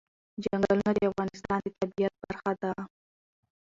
چنګلونه د افغانستان د طبیعت برخه ده.